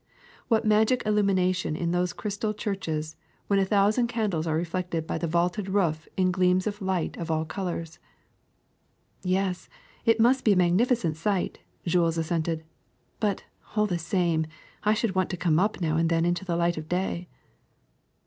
What magic illumination in those crys tal churches when a thousand candles are reflected hj the vaulted roof in gleams of light of all colors !'' ^^Yes, it must be a magnificent sight,'' Jules as sented; ^'but, all the same, I should want to come up now and then into the light of day.''